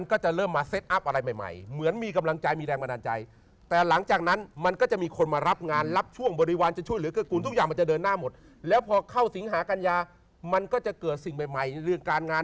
ก็คือที่ผ่านมาเนี่ยแหละ